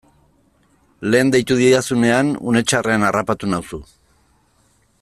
Lehen deitu didazunean une txarrean harrapatu nauzu.